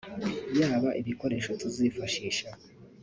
yaba ibikoresho tuzifashisha